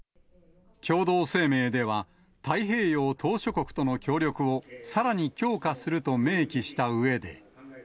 共同声明では、太平洋島しょ国との協力を、さらに強化すると明記したうえで。